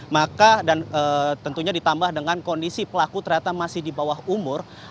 maka dan tentunya ditambah dengan kondisi pelaku ternyata masih di bawah umur